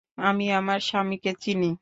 আমি আমার স্বামীকে চিনি।